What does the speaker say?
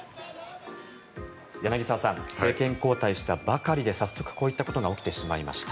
柳澤さん、政権交代したばかりで早速こういったことが起きてしまいました。